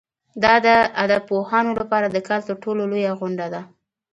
دا د ادبپوهانو لپاره د کال تر ټولو لویه غونډه ده.